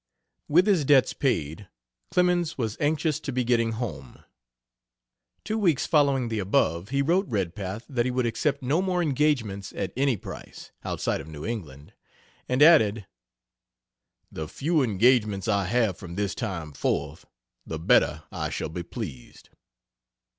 With his debts paid, Clemens was anxious to be getting home. Two weeks following the above he wrote Redpath that he would accept no more engagements at any price, outside of New England, and added, "The fewer engagements I have from this time forth the better I shall be pleased."